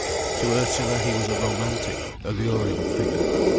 To Ursula he was a romantic, alluring figure.